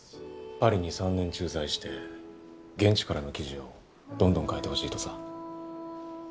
パリに３年駐在して現地からの記事をどんどん書いてほしいとさ。